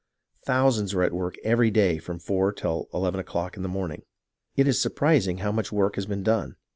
Thousands are at work every day from four till eleven o'clock in the morning. It is surprising how much work has been done.